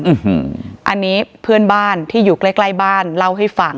อืมอันนี้เพื่อนบ้านที่อยู่ใกล้ใกล้บ้านเล่าให้ฟัง